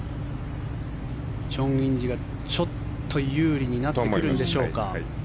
チョン・インジがちょっと有利になってくるんでしょうか。